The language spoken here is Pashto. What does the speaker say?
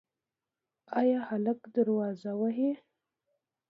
ایا هلک دروازه وهي؟